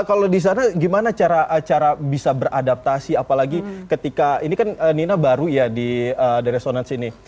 kalau di sana gimana cara bisa beradaptasi apalagi ketika ini kan nina baru ya di the resonance ini